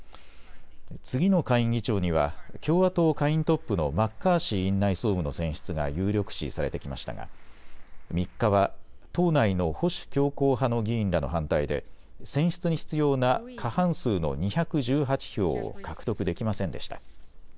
次の下院議長には共和党下院トップのマッカーシー院内総務の選出が有力視されてきましたが３日は党内の保守強硬派の議員らの反対で、選出に必要な過半数の２１８票を獲得できませんでした。